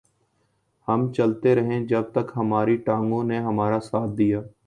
ہم چلتے رہے جب تک ہماری ٹانگوں نے ہمارا ساتھ دیا